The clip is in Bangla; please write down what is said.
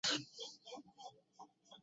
আমি মনে মনে জানলুম, এ আমার সতীত্বের তেজ।